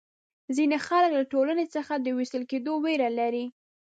ځینې خلک له ټولنې څخه د وېستل کېدو وېره لري.